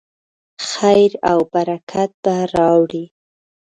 خیر او برکت به راوړي.